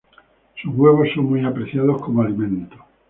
Sus huevos son muy apreciados como alimento.